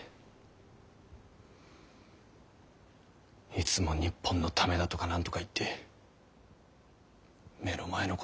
いつも日本のためだとか何とか言って目の前のことしか見えていねぇ。